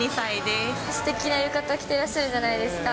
すてきな浴衣着てらっしゃるじゃないですか。